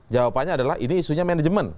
jawabannya adalah ini isunya manajemen